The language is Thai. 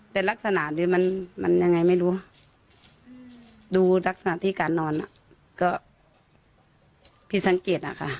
แต่ลักษณะนี้มันยังไงไม่รู้ดูลักษณะที่การนอนก็ผิดสังเกตนะคะ